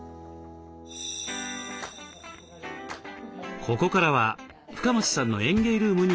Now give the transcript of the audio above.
ここからは深町さんの園芸ルームに移動。